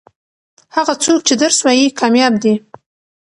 هغه څوک چې درس وايي کامياب دي.